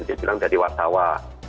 dibilang dari wartawa